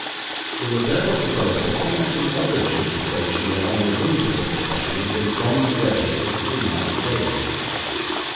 It was, therefore, proposed that one or two others should be stationed along the route of the procession with bombs ready if Simard failed.